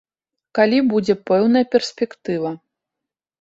Калі будзе пэўная перспектыва.